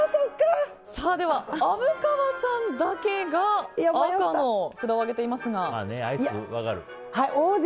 では、虻川さんだけが赤の札を上げていますが。